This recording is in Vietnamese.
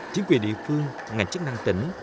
chính quyền địa phương ngành chức năng tỉnh